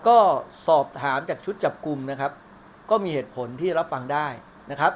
ก็สอบถามจากชุดจับกลุ่มนะครับก็มีเหตุผลที่รับฟังได้นะครับ